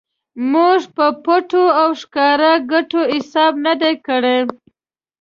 موږ په پټو او ښکاره ګټو حساب نه دی کړی.